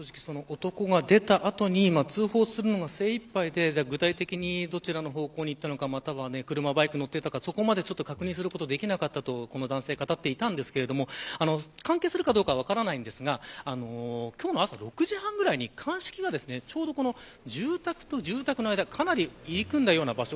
男が出た後に通報するのが精いっぱいで具体的に、どちらの方向に行ったのか、車、バイクに乗っていたか確認することができなかったとこの男性は語っていましたが関係するかどうか分かりませんが今日の朝６時半ぐらいに鑑識が住宅と住宅の間入り組んだような場所